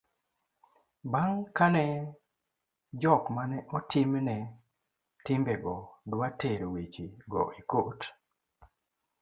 bang' kane jok mane otimne timbego dwa tero weche go e kot